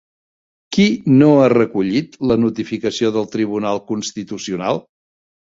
Qui no ha recollit la notificació del Tribunal Constitucional?